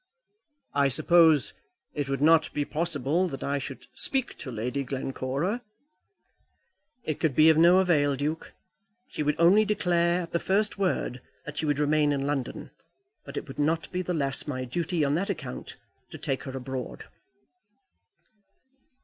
"I suppose it would not be possible that I should speak to Lady Glencora?" "It could be of no avail, Duke. She would only declare, at the first word, that she would remain in London; but it would not be the less my duty on that account to take her abroad."